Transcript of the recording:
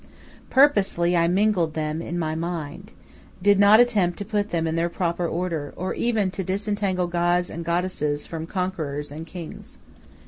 Purposely I mingled them in my mind did not attempt to put them in their proper order, or even to disentangle gods and goddesses from conquerors and kings.